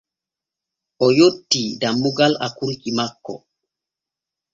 O yottii dammugal akurki makko.